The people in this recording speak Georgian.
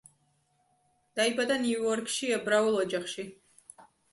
დაიბადა ნიუ-იორკში, ებრაულ ოჯახში.